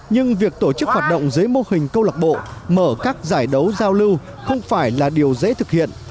nhưng việc tổ chức hoạt động dưới mô hình câu lạc bộ mở các giải đấu giao lưu không phải là điều dễ thực hiện